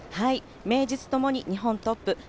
名実ともに日本トップ。